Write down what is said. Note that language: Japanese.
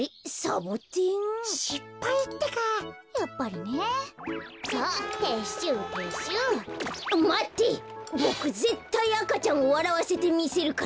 ボクぜったい赤ちゃんをわらわせてみせるから。